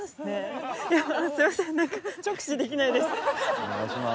お願いします。